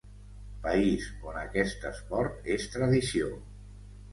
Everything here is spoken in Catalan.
País on aquest esport és tradició.